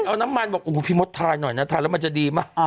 เอาน้ำมันพี่มดทายหน่อยนะทายแล้วมันจะดีมาก